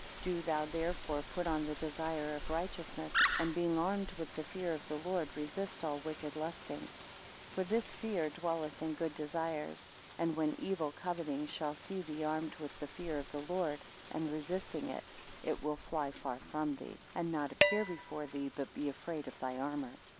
Do thou therefore put on the desire of righteousness, and being armed with the fear of the Lord resist all wicked lusting. 7 For this fear dwelleth in good desires; and, when evil coveting shall see thee armed with the fear of the Lord, and resisting it; it will fly far from thee, and not appear before thee, but be afraid of thy armour.